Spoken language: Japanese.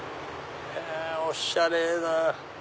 おしゃれな。